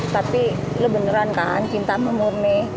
tapi lo beneran kan cinta sama murni